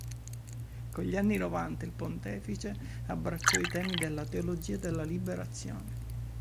Con gli anni Novanta, il Pontefice abbracciò i temi della teologia della liberazione.